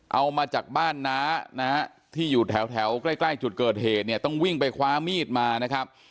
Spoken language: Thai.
เอามาจากบ้านน้านะฮะที่อยู่แถวใกล้ใกล้จุดเกิดเหตุเนี่ยต้องวิ่งไปคว้ามีดมานะครับ